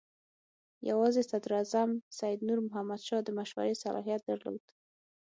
یوازې صدراعظم سید نور محمد شاه د مشورې صلاحیت درلود.